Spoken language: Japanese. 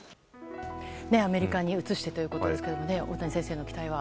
アメリカに移してということですが大谷選手への期待は？